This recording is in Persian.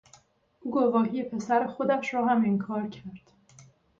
او گواهی پسر خودش را هم انکار کرد.